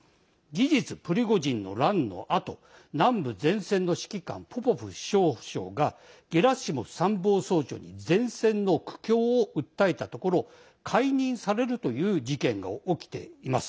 事実、プリゴジンの乱のあと南部前線の指揮官ポポフ少将がゲラシモフ参謀総長に前線の苦境を訴えたところ解任されるという事件が起きています。